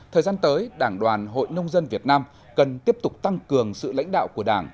thời gian tới đảng đoàn hội nông dân việt nam cần tiếp tục tăng cường sự lãnh đạo của đảng